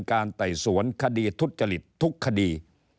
การแต่สวนคดีทุกขดี